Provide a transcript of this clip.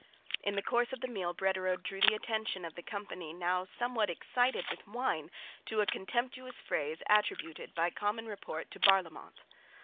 In the course of the meal Brederode drew the attention of the company now somewhat excited with wine to a contemptuous phrase attributed by common report to Barlaymont.